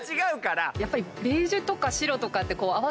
やっぱり。